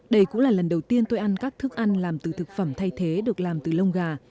đây cũng là lần đầu tiên tôi ăn các thức ăn làm từ thực phẩm thay thế được làm từ lông gà